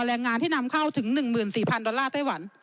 แรงงานที่นำเข้าถึง๑๔๐๐ดอลลาร์ไต้หวัน